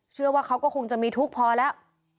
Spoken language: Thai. เชื่อว่าเขาก็คงจะมีทุกข์พอแล้ว